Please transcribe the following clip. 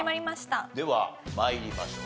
では参りましょう。